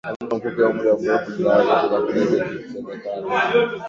kwa muda mfupi au muda mrefu na dawa zote za kulevya zilisemekana